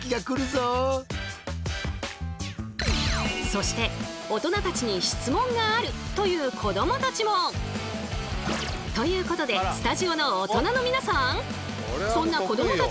そして大人たちに質問があるという子どもたちも！ということでスタジオの大人の皆さん！